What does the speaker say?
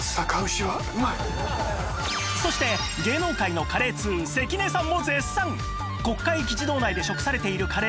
そして芸能界のカレー通関根さんも絶賛！